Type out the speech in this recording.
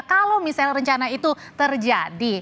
kalau misalnya rencana itu terjadi